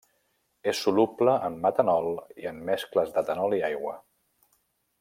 És soluble en metanol i en mescles d'etanol i aigua.